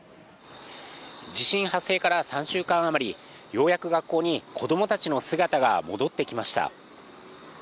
地震発生から３週間あまり、ようやく学校に子供たちの姿が戻ってきました。